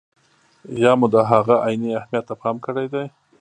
یا مو د هغه عیني اهمیت ته پام کړی دی.